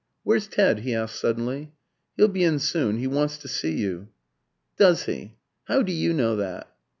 "Where's Ted?" he asked suddenly. "He'll be in soon; he wants to see you." "Does he? How do you know that?"